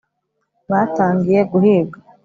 Batangiye guhiga!